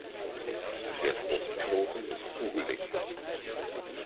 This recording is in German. Der Fruchtknoten ist kugelig.